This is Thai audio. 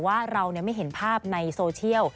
ว่าเราไม่เห็นภาพในโซเชียล